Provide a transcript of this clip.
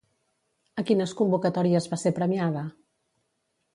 A quines convocatòries va ser premiada?